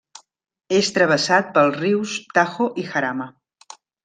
És travessat pels rius Tajo i Jarama.